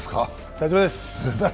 大丈夫です！